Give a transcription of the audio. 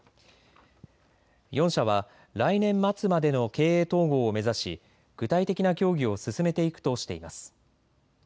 ４社は来年末までの経営統合を目指し具体的な協議を進めていくとしています。